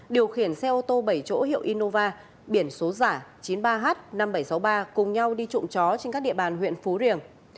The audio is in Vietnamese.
điều khiển xe ô tô bảy chỗ hiệu innova biển số giả chín mươi ba h năm nghìn bảy trăm sáu mươi ba cùng nhau đi trộm chó trên các địa bàn huyện phú riềng